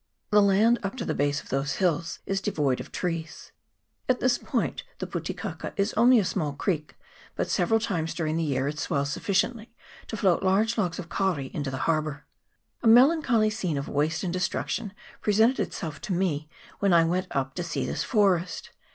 The land up to the base of those hills is devoid of trees. At this point the Pu te kaka is only a small creek, but several times during the year it swells sufficiently to float large logs of kauri into the harbour. A melancholy scene of waste and de struction presented itself to me when I went up to see this forest.